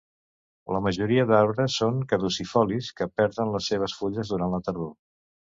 La majoria d'arbres són caducifolis, que perden les seves fulles durant la tardor.